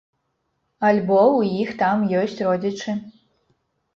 Альбо ў іх там ёсць родзічы.